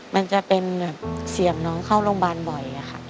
มันจะเป็นแบบเสียงน้องเข้าโรงพยาบาลบ่อยค่ะ